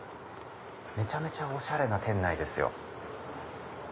めちゃめちゃおしゃれな店内ですよ。